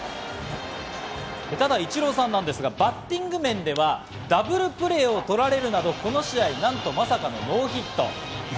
ただイチローさんなんですが、バッティング面では、ダブルプレーを取られるなど、この試合、なんとまさかのノーヒット。